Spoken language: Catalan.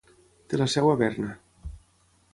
Té la seu a Berna.